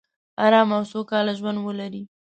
ارامه او سوکاله ژوندولري